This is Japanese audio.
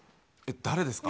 誰ですか？